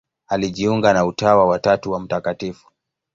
Alijiunga na Utawa wa Tatu wa Mt.